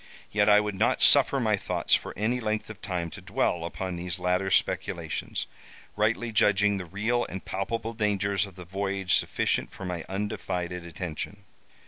Yet I would not suffer my thoughts for any length of time to dwell upon these latter speculations, rightly judging the real and palpable dangers of the voyage sufficient for my undivided attention.